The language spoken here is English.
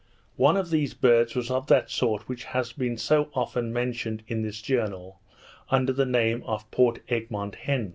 One of these birds was of that sort which has been so often mentioned in this journal under the name of Port Egmont hens.